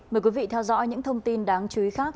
mời quý vị theo dõi những thông tin đáng chú ý khác